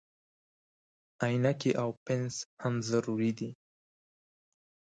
عینکې او پنس هم ضروري دي.